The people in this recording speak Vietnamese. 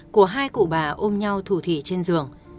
của hai cụ bà ôm nhau thủ thị trên giường